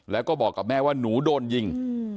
แล้วก็บอกกับแม่ว่าหนูโดนยิง